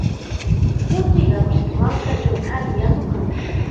Mutiqa mitu mankachawmi alli yanukan.